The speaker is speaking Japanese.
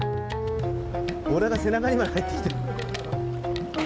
ボラが背中にまで入ってきている。